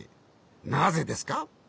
なぜですか？